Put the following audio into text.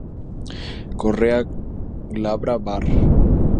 Correa glabra var.